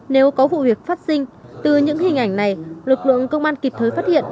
nếu có vụ việc phát sinh từ những hình ảnh này lực lượng công an kịp thời phát hiện